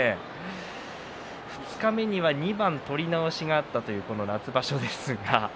二日目には２番取り直しがあったこの夏場所です。